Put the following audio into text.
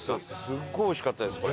すごいおいしかったですこれ。